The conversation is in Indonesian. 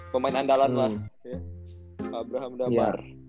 pemain andalan lah ya abraham damar